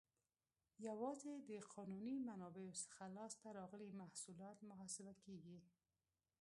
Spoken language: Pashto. یوازې د قانوني منابعو څخه لاس ته راغلي محصولات محاسبه کیږي.